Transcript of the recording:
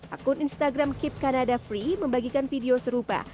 akun instagram keep kanada free membagikan video serupa